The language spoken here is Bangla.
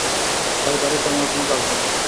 তাই বাড়িতে আমার কোন কাজ নেই।